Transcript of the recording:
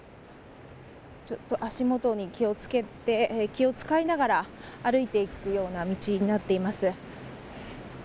足元に気を付けて気を使いながら歩いていくような道になっています。